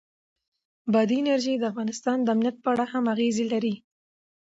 بادي انرژي د افغانستان د امنیت په اړه هم اغېز لري.